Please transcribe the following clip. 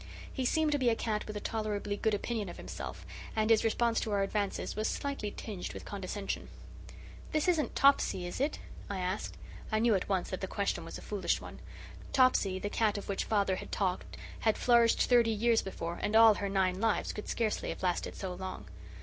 He seemed to be a cat with a tolerably good opinion of himself, and his response to our advances was slightly tinged with condescension. "This isn't Topsy, is it?" I asked. I knew at once that the question was a foolish one. Topsy, the cat of which father had talked, had flourished thirty years before, and all her nine lives could scarcely have lasted so long.